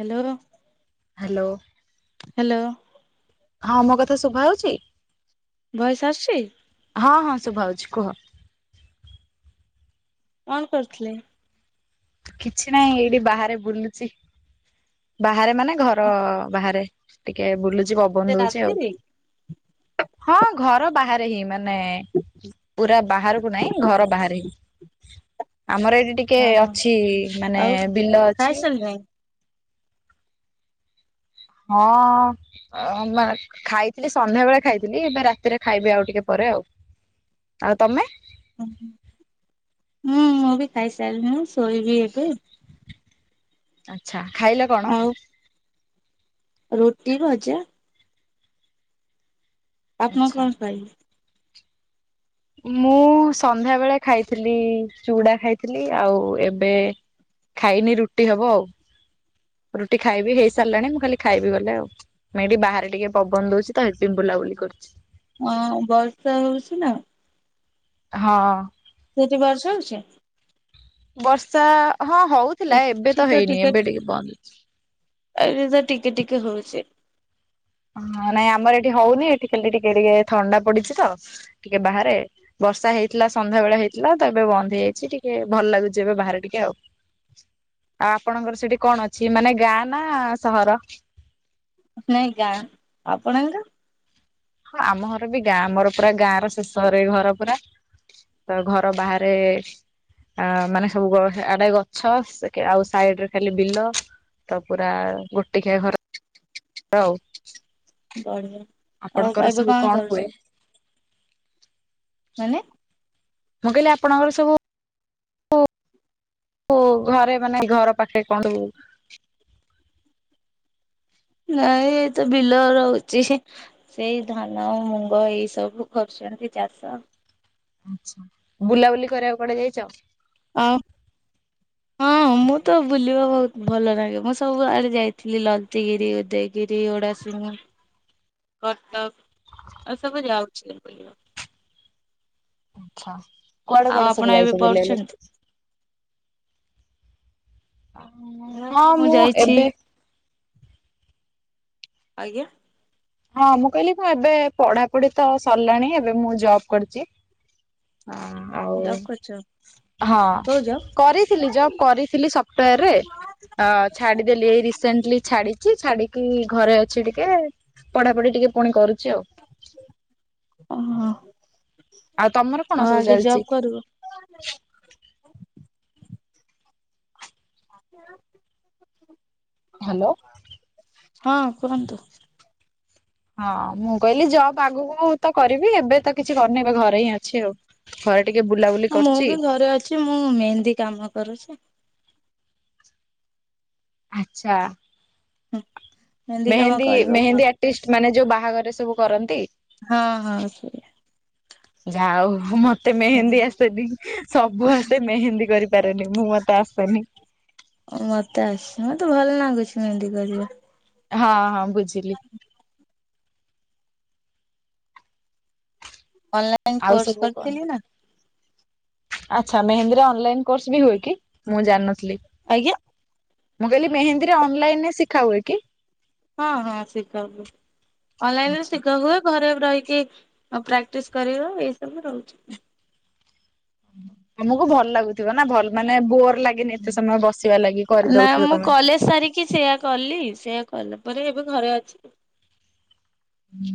Hello hello. Hello. ହଁ ମୋ କଥା ଶୁଭା ଯାଉଚି? ଭଏସ୍ ଆସୁଚି? ହଁ ହଁ ଶୁଭା ଯାଉଚି କୁହ। କଣ କରୁଥିଲେ? କିଛି ନାହିଁ ଏଇଠି ବାହାରେ ବୁଲୁଚି। ବାହାରେ ମାନେ ଘର ବାହାରେ। ଟିକେ ବୁଲୁଚି ପବନ ଏତେ ଦଉଚି ଆଉ। ରାତିରେ? ହଁ ଘର ବାହାରେ ହିଁ ମାନ ନେ ପୁରା ବାହାରକୁ ନାହିଁ ଘର ବାହାରେ ହିଁ ଆମର ଏଇଠି ଟି ଟିକେ ହଁ ହଁ ଅଛି, ମାନେ ଆଉ ବିଲ ଅଛି। ଖାଇସାରିଲେଣି? ହଁ। ଅ ବା ଖାଇଥିଲି ସନ୍ଧ୍ୟା ବେଳେ ଖାଇଥିଲି। ଏବେ ରାତିରେ ଖାଇବି ଆଉ ଟିକେ ପରେ ଆଉ। ଆଉ ତମେ? ହୁଁ ମୁଁ ବି ଖାଇସାରିଲିଣୀ, ଶୋଇବି ଏବେ। ଆଚ୍ଛା ଖାଇଲ କଣ? ଆଉ ରୁଟି, ଭଜା। ଆପଣ ଆଚ୍ଛା। କଣ ଖାଇଲେ? ମୁଁ ସନ୍ଧ୍ୟାବେେଳେ ଖାଇଥିଲି ଚୁଡା ଖାଇଥିଲି ଆଉ ଏବେ- ଖାଇନି ରୁଟି ହବ ଆଉ। ରୁଟି ଖାଇବି, ହେଇସାରିଲାଣି, ମୁଁ ଖାଲି ଖାଇବି ଗଲେ ଆଉ। ମୁଁ ଏଠି ବାହାରେ ଟିକେ ପବନ ଦଉଚି ତ ଏଥ ପାଇଁ ବୁଲାବୁଲି କରୁଚି। ହଁ ବର୍ଷା ହଉଚି ନା? ହଁ। ସେଠି ବର୍ଷା, ହଉଚି? ବର୍ଷା ହଁ ହଉଥିଲା। ଏବେ ତ ହେଇନି ଏବେ ଟିକେ ବନ୍ଦ ଅଛି। ଏଠି ତ ଟିକେ, ଟିକେ, ହଉଚି। ହ ନାଇଁ ଆମର ଏଠି ହଉନି, ଏଠି ଖାଲି ଟିକେ ଟିକେ ଥଣ୍ଡା ପଡିଚି ତ ଟିକେ ବାହାରେ। ବର୍ଷା ହେଇଥିଲା ସନ୍ଧ୍ୟା ବେଳେ ହେଇଥିଲା ତ ଏବେ ବନ୍ଦ ହେଇଯାଇଚି। ଟିକେ ଭଲ ଲାଗୁଚି ଏବେ ବାହାରେ ଟିକେ ଆଉ। ଆଉ ଆପଣଙ୍କର ସେଠି କଣ ଅଛି? ମାନେ ଗାଁ, ନା ସହର? ନାଇଁ ଗାଁ, ଆପଣଙ୍କର? ହଁ ଆମ ଘର ବି ଗାଁ, ଆମର ପୁରା ଗାଁ ର ଶେଷ ଘରେ ଘର ପୁରା। ତ ଘର ବାହାରେ ଅ ମାନେ ସବୁ ଆଡେ ଗଛ, ଆଉ ସାଇଡ ରେ ଖାଲି ବିଲ। ତ ପୁରା ଗୋଟିକିଆ ଘର ହଉ। ବଢିଆ ଆଉ ଏବେ ସବୁ କଣ ହୁଏ? କରୁଚୁ, ମାନେ? ମୁଁ କହିଲି ଆପଣଙ୍କର ସବୁ ଉ ଘରେ ମାନେ ଘର ପାଖରେ କଣ କି ନାଇଁ ଏ ତ ବିଲ ରହୁଛି ହି ଏଇ ଧାନ, ମୁଗ, ଏଇ ସବୁ କରୁଛନ୍ତି ଚାଷ। ଆଚ୍ଛା ବୁଲାବୁଲି କରିବାକୁ କୁଆଡେ ଯାଇଛ? ଆଉ ହଁ ମୁଁ ତ ବୁଲିବା ବହୁତ ଭଲ ଲାଗେ ମୁଁ ସବୁଆଡେ ଯାଇଥିଲି ଲତିଗିରି ଗୋଟେ ଗିରି ଏଗୁଡା ସବୁ କଟକ ଏ ସବୁ ଯାଉଛି ମୁଁ ବଲିବାକୁ। ଆଛା କୁଆଡେ ଆଉ କୁଆଡେ ଆପଣ ସବୁ ଏବେ ଯାଇଚ ବୁଲିଆପାଇଁ? ପଢୁଛନ୍ତି? ହଁ ମୁଁ ଏବେ? ଆଜ୍ଞା। ହଁ ମୁଁ କହିଲି ମୁଁ ଏବେ ପଢାପଢି ତ ସରିଲାଣି ଏବେ ମୁଁ ଜବ୍ କରିଚି। ହଁ ଆଉ ଜବ୍ କରୁଛ କୋଉ ହଁ। ଜବ୍? କରିଥିଲି ଜବ୍ କରିଥିଲି ସୁଫଟୱେର ରେ। ଅ ଛାଡିଦେଲି ଏଇ ରିସେଣ୍ଟଲି ଛାଡିଛି ଛାଡିକି ଘରେ ଅଛି ଟିକେ ପଢାପଢି ଟିକେ ପୁଣି କରୁଚି ଆଉ। ଓହୋ ତମର କଣ ଆଉ ସବୁ ଆଗେ ଚାଲିଛି ଜବ୍ କରିବ? ହ୍ୟାଲୋ ହଁ କୁହନ୍ତୁ। ହଁ, ମୁଁ କହିଲି ଜବ୍ ଆଗକୁ ତ କରିବି, ଏବେତ କିଛି କରିନି ଏବେ ଘରେ ହିଁ ଅଛି ଆଉ। ଘରେ ଟିକେ ବୁଲାବୁଲି କରୁଛି। ଯେ ମୁଁ ମେହେନ୍ଦି କାମ କରୁଛି। ଆଚ୍ଛା। ହୁଁ, ମେହେନ୍ଦି ମେହେନ୍ଦି ଆର୍ଟିଷ୍ଟ ମାନେ ଯୋଉ ବାହାଘରରେ ସବୁ କରନ୍ତି। ହଁ ହଁ, ସେ ଯାହୋଉ ମ ମତେ ମେହେନ୍ଦି ଆସେନି, ସବୁ ଆସେ ମେହେନ୍ଦି କରି ପାରେନି ଉଁ ମତେ ଆସେନି। ଓ ମତେ ଆସେ ମତେ ଭଲ ଲାଗୁଛି ମେହେନ୍ଦୀ କରିବା। ହଁ ହଁ ବୁଝିଲି। ଅନଲାଇନ ଆଉ କୋର୍ସ ସବୁ କଣ କରିଥିଲି ନା। ଆଚ୍ଛା, ମେହେନ୍ଦୀରେ ଅନଲାଇନ୍ କୋର୍ସ ବି ହୁଏ କି? ମୁଁ ଜାଣିନଥିଲି। ଆଜ୍ଞା। ମୁଁ କହିଲି, ମେହେନ୍ଦୀରେ ଅନଲାଇନରେ ଶିଖା ହୁଏ କି? ହଁ ହଁ ଶିଖା ହୁଏ। ଅନଲାଇନରେ ଶିଖା ହୁଏ। ଘରେ ରହି କି ପ୍ରାକ୍ଟିସ କରିବା, ଏ ସବୁ ରହୁଛି। ତମକୁ ଭଲ ଲାଗୁଥିବ ନା ଭଲ ମାନେ ବୋର୍ ଲାଗେନି ଏତେ ସମୟ ବସିବା ଲାଗି, କରି ନା ଦଉଥିବ ମୁଁ ତମେ। କଲେଜ ସାରିକି ସେଇୟା କଲି, ସେଇୟା କଲାପରେ ଏବେ ଘରେ ଅଛି। ହୁଁ,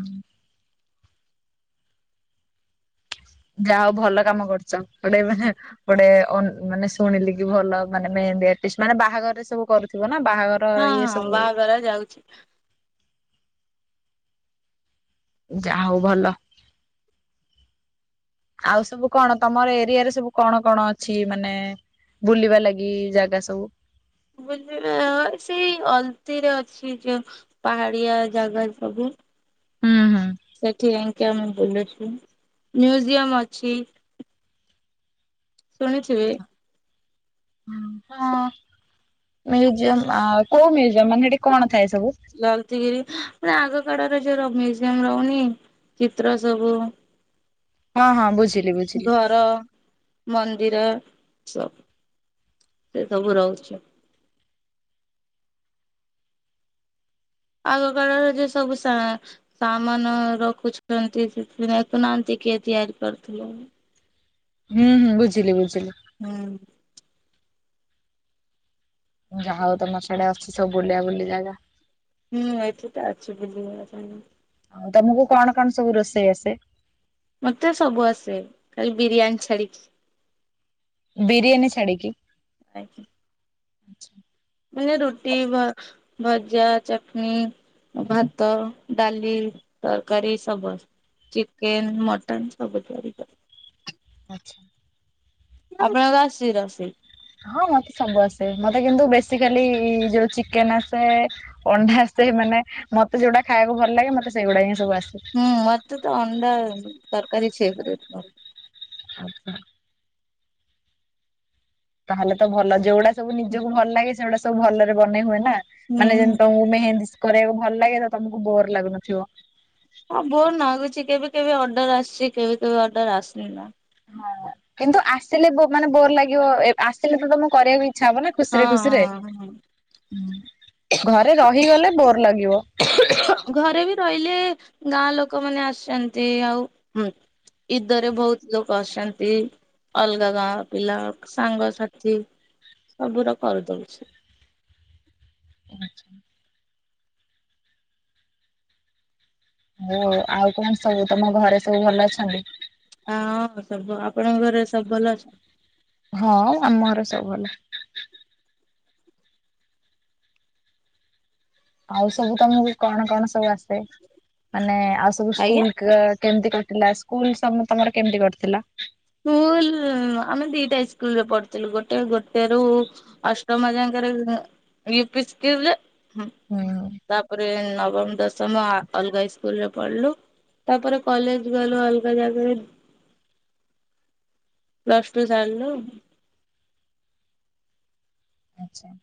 ଯାହା ହଉ ଭଲ କାମ କରୁଛ। ଗୋଟେ ମାନେ ଗୋଟେ ଅ ମାନେ ଶୁଣିଲି କି ଭଲ ମାନେ ମେହେନ୍ଦି ଆର୍ଟିଷ୍ଟ, ମାନେ ବାହାଘରରେ ସବୁ କରୁଥିବ ନା ବାହା ହଁ ହଁ ବାହାଘର ଯାଉଛି। ଯାହା ହଉ ଭଲ। ଆଉ ସବୁ କଣ ତମର ଏରିଆରେ ସବୁ କଣ କଣ ଅଛି? ମାନେ ବୁଲିବା ଲାଗି ଜାଗା ସବୁ। ବୁଲିବା ସେଇ ଅଳତି ରେ ଅଛି, ଯୋ ପାହାଡ଼ିଆ ଜାଗା ସବୁ। ହୁଁ ହୁଁ ସେଠି କାଇ ଆମେ ବୁଲୁଛୁ ମିୟୁଜିଅମ୍ ଅଛି ଶୁଣିଥିବେ ହଁ ମିୟୁଜିଅମ୍ ଆ କୋଉ ମିୟୁଜିୟମ୍ ମାନେ ସେଟି କଣ ଥାଏ ସବୁ ଲଲିତଗିରି ମାନେ ଆଗ କାଳରେ ଯୋଉଗୁରା ମିୟୁଜିଅମ୍ ରହୁନି ଚିତ୍ର ସବୁ ହଁ ହଁ ବୁଝିଲି ବୁଝିଲି ଘର ମନ୍ଦିର ସ ସେ ସବୁ ରହୁଛି ଆଗ କାଳରେ ଯ ସବୁ ସା ସା ମାନେ ରଖୁଛନ୍ତି ଦେଖୁନାହାନ୍ତି କିଏ ତିଆରି କରିଥିଲେ ହୁଁ ହୁଁ ବୁଝିଲି ବୁଝିଲି ହୁଁ ଯାହା ହଉ ତମ ସିଆଡ଼େ ଅଛି ସବୁ ବୁଲା ବୁଲି ଜାଗା ହୁଁ, ଏଇଠି ତ ଅଛୁ ବୁଲିବାର ଜାଗା ଆଉ ତମକୁ କଣ କଣ ସବୁ ରୋଷେଇ ଆସେ ମତେ ସବୁ ଆସେ ଖାଲି ବିରିୟାନୀ ଛାଡ଼ିକି ବିରିୟାନୀ ଛାଡ଼ିକି ଆଜ୍ଞା ମାନେ ରୁଟି ଭ ଭଜା ଚଟନି ଭାତ ଡାଲି ତରକାରୀ ସବ ଚିକେନ୍ ମଟନ୍ ସବୁ ତିଆରି କରେ ଆଚ୍ଛା ଆପଣକୁ ଆସୁଛି ରୋଷେଇ ହଁ ମତେ ସବୁ ଆସେ ମତେ କିନ୍ତୁ ବେସିକାଲି ଯୋଉ ଚିକେନ୍ ଆସେ ଅଣ୍ଡା ଆସେ ମାନେ ମତେ ଯୋଉଟା ଖାଇବାକୁ ଭଲ ଲାଗେ ମତେ ସେଇଗୁଡା ହିଁ ସବୁ ଆସେ ହୁଁ ମତେ ତ ଅଣ୍ଡା ତରକାରୀ ଛେବରେ ହଁ ହଁ ତାହେଲେ ତ ଭଲ ଯୋଉଗଡା ସବୁ ନିଜକୁ ଭଲ ଲାଗେ ସେଗୁଡାସବୁ ଭଲରେ ବନେଇ ହୁଏ ନା ମାନେ ହୁଁ। ଯେମତି ତମକୁ ମେହେନ୍ଦୀ କରିବାକୁ ଭଲ ଲାଗେ ତ ତମକୁ ବୋର ଲାଗୁନଥିବ ହଁ ବୋର ଲାଗୁଛି କେବେ କେବେ ଅର୍ଡର ଆସିଛି କେବେ କେବେ ଅର୍ଡର ଆସନି ନା ହଁ କିନ୍ତୁ ଆସିଲେ ମାନେ ବୋର ଲାଗିବ ଆସିଲେ ତ ତମ କରିବାକୁ ଇଛା ହବ ନା ହଁ ଖୁସିରେ ଖୁସିରେ ହଁ ଘରେ ରହିଗଲେ ବୋର ଲାଗିବ ଘରେ ବି ରହିଲେ ଗାଁ ଲୋକମାନେ ଆସିଛନ୍ତି ଆଉ ହଁ ଇଦରେ ବହୁତ ଲୋକ ଆସନ୍ତି ଅଲଗା ଗାଁ ପିଲା ସାଙ୍ଗସାଥି ସବୁୁର କରିଦଉଛି ଆ ଓ ଆଉ କଣ ସବୁ ତମ ଘରେ ସବୁ ଭଲ ଅଛନ୍ତି ହଁ ସବୁ ଭଲ ଆପଣଙ୍କ ଘରେ ସବୁ ଭଲ ଅଛନ୍ତି ହଁ ଆଉ ଆମ ଘରେ ସବୁ ଭଲ ଆଉ ସବୁ ତମକୁ କଣ କଣ ସବୁ ଆସେ ମାନେ ଆଉ ସବୁ ଆଜ୍ଞା ସ୍କୁଲ୍ କେମିତି କଟିଲା ସ୍କୁଲ୍ ତମର କେମିତି କଟିଥିଲା ସ୍କୁଲ୍ ହୁ ଆମେ ଦିଟା ଇସ୍କୁଲୁରେ ପଢିଥିଲୁ ଗୋଟେ ଗୋଟେ ରୁ ଅଷ୍ଟମ ଯାଙ୍କରେ ଉପି ସ୍କୁଲ୍ ହୁଁ। ତାପରେ ନବମ ଦଶମ ସମ ଅଲଗା ଇସ୍କୁଲ୍ ରେ ପଢିଲୁ ତାପରେ କଲେଜ୍ ଗଲୁ ଅଲଗା ଜାଗାରେ ପ୍ଲସ୍ ଟୁ ସାରିଲୁ? ଆଚ୍ଛା।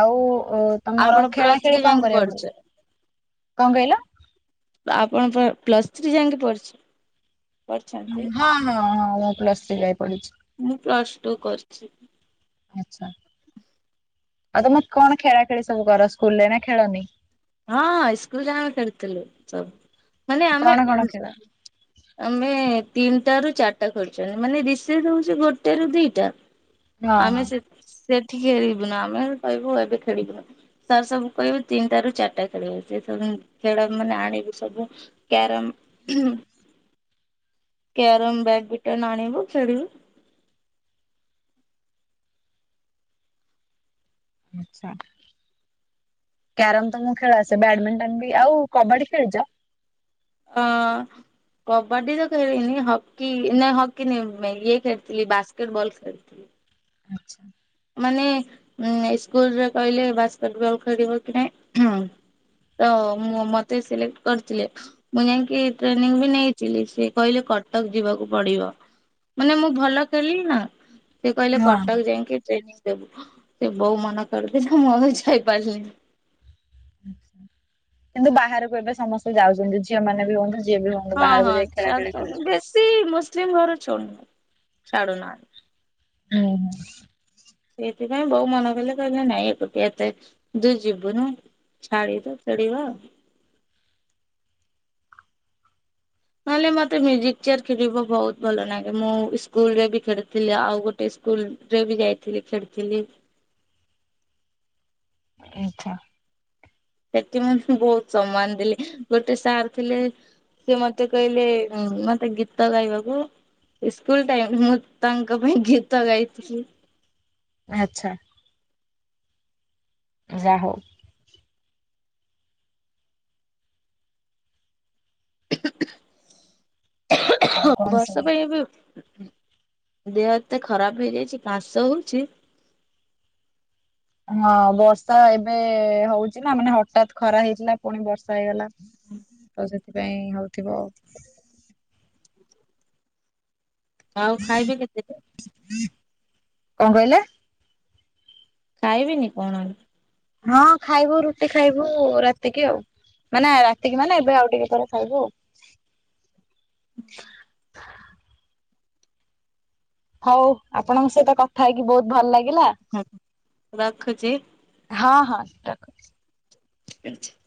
ଆଉ ଅ, ତୋମର ଆପଣ ଖେଳା ପ୍ଲସ ଥ୍ରୀ ଖେଳି କଣ ଯାଇକି କରିବା ପଢିଛ ଭଲ, [inaudible] କଣ କହିଲ? ତ ଆପଣ ପ-ପ୍ଲସ୍ ଥ୍ରୀ ଯାଙ୍କେ ପଢ଼ିଛ? ହଁ, ହଁ, ହଁ ମୁଁ ପ୍ଲସ୍ ଥ୍ରୀ ଯାଏ ପଢିଛି। ମୁଁ ପ୍ଲସ୍ ଟୁ କରିଛି। ଆଚ୍ଛା, ଆଉ ତୋମେ କଣ ଖେଳା ଖେଳି ସବୁ କର ସ୍କୁଲ୍ ରେ ନା ଖେଳନି? ହଁ ସ୍କୁଲ୍ ଯାଏଁ ଆମେ ଖେଳୁଥିଲୁ ସବୁ ମାନେ କଣ ଆମେ କଣ ଉଁ, ଖେଳ? ଆମେ ତିନିଟା ରୁ ଚାଟା ଖେଳୁଛେ ମାନେ ରିସେସ୍ ହଉଛି ଗୋଟେ ରୁ ଦିଟା। ହଁ ଆମେ ହଁ ସେ ସେଠି ଖେଳିବୁନୁ, ଆମେ କହିବୁ ଏବେ ଖେଳିବୁନୁ, ସାର୍ ସବୁ କହିବେ ତିନ ଟାରୁ ଚା ଟା ଖେଳ ହଉଚି, [unintelligible] ଖେଳ ମାନେ ଆଣିବି ସବୁ କ୍ୟାରମ୍ କ୍ୟାରମ୍, ବ୍ୟାଡ୍ ବିଟନ୍ ଆଣିବୁ ଖେଳିବୁ। ଆଚ୍ଛା। କ୍ୟାରମ୍ ତୋମକୁ ଖେଳ ଆସେ, ବ୍ୟାଡମିଣ୍ଟନ୍ ବି, ଆଉ କବାଡି ଖେଳିଚ? ଅ, କବାଡି ତ ଖେଳିନି, ହକି ନା ହକି ନିଉ- ମାଇ- ଇଏ ଖେଳିଥିଲି ବାସ୍କେଟବଲ୍ ଖେଳିଥିଲି। ଆଚ୍ଛା। ମାନେ ଉଁ, ସ୍କୁଲ୍ ରେ କହିଲେ ବାସ୍କେଟବଲ୍ ଖେଳିବ କି ନାଇଁଁ। ତ ମୁଁ ମୋତେ ସିଲେକ୍ଟ କରିଥିଲେ। ମୁଁ ଯାଇକି ଟ୍ରେନିଂ ବି ନେଇଥିଲି, ସିଏ କହିଲେ କଟକ ଯିବାକୁ ପଡିବ। ମାନେ ମୁଁ ଭଲ ଖେଳିଲି ନା। ସେ କହିଲେ ହଁ କଟକ ହଁ। ଯାଇଁକି ଟ୍ରେନିଂ ଦେବୁ। ସେ ବୋଉ ମନା କରିଦେଲା ମୁଁ ଆଉ ଯାଇପାରିଲିନି। ଆଚ୍ଛା, କିନ୍ତୁ ବାହାରକୁ ଏବେ ସମସ୍ତେ ଯାଉଛନ୍ତି, ଝିଅ ମାନେ ବି ହୁଅନ୍ତୁ ଯିଏ ବି ହୁଅ ହଁ, ହଁ ଛାଡୁଚନ୍ତି, ବେଶୀ ମୁସଲିମ ଘର [unintelligible] ଛାଡୁନାହାନ୍ତି। ଅଁ, ହଁ। ସେଇଥିପାଇଁ ବୋଉ ମନା କଲେ କହିଲେ ନାଇଁ ଏକୁଟିଆ ଏତେ ତୁ ଯିବୁନୁ। ଛାଡି ତ ପଡିିବ। ନହେଲେ ମୋତେ ମ୍ୟୁଜିକ୍ ଚେୟାର୍ ଖେଳିବା ବହୁତ ଭଲ ନାଗେ। ମୁଁ ସ୍କୁଲ୍ ରେ ବି ଖେଳିଥିଲି, ଆଉ ଗୋଟେ ସ୍କୁଲ୍ ରେ ବି ଯାଇଥିଲି ଖେଳିଥିଲି। ଆଚ୍ଛା। ସେଠି ମୁଁ ବହୁତ ସମ୍ମାନ ଦେଲି, ଗୋଟେ ସାର୍ ଥିଲେ ସିଏ ମୋତେ କହିଲେ ଉଁ, ମୋତେ ଗୀତ ଗାଇବାକୁ। ଇସ୍କୁଲ୍ ଟାଇମ୍ ମୁଁ ତାଙ୍କ ପାଇଁ ଗୀତ ଗାଇଥିଲି। ଆଚ୍ଛା। ଯା ହଉ। ଆଉ ହଁ କଣ ବର୍ଷା ସବୁ? ପାଇଁ ଏବେ ଦେହ ଏତେ ଖରାପ ହେଇଯାଇଛି କାଶ ହଉଛି। ହଁ ବର୍ଷା ଏବେ ହଉଛି ନା ମାନେ ହଠାତ୍ ଖରା ହେଇଥିଲା ପୁଣି ବର୍ଷା ହେଇଗଲା। ତ ସେଥିପାଇଁ ହଉଥିବ। ଆଉ ଖାଇବେ କେତେ [inaudible] କଣ କହିଲେ? ଖାଇବେନି କଣ? ହଁ ଖାଇବୁ ରୁଟି ଖାଇବୁ ରାତିକି ଆଉ। ମାନେ ରାତିକି ମାନେ ଏବେ ଆଉ ଟିକେ ପରେ ଖାଇବୁ ଆଉ। ହଉ ଆପଣଙ୍କ ସହିତ କଥା ହେଇକି ବହୁତ ଭଲ ଲାଗିଲା। ହୁ ରଖୁଛି। ହଁ ହଁ ରଖ। [inaudible]